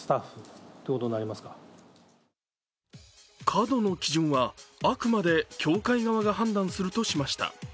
過度の基準はあくまで教会側が判断するとしました。